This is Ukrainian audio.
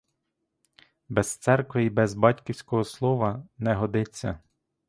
Без церкви й без батьківського слова не годиться.